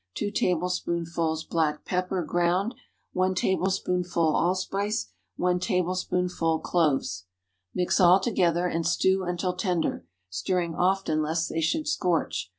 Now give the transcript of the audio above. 2 tablespoonfuls black pepper, ground. 1 tablespoonful allspice. 1 tablespoonful cloves. Mix all together, and stew until tender, stirring often lest they should scorch.